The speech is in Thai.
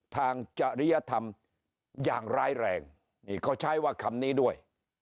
จริยธรรมอย่างร้ายแรงนี่เขาใช้ว่าคำนี้ด้วย